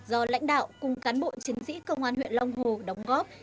do lãnh đạo cùng cán bộ chiến sĩ công an huyện long hồ đóng góp